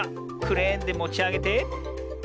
クレーンでもちあげて。